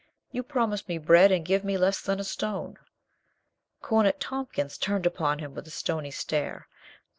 You promise me bread and give me less than a stone." Cornet Tompkins turned upon him with a stony stare.